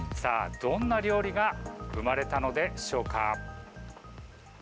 どんな料理が生まれたのでしょうか。